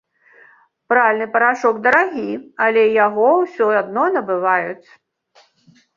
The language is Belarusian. Пральны парашок дарагі, але яго ўсё адно набываюць.